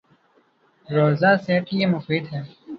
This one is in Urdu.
روزہ صحت کے لیے مفید ہے